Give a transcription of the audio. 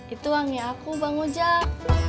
itu uangnya aku bang ujang